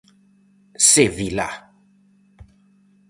Sé vilá.